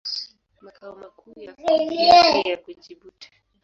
Makao makuu yake yako Jibuti.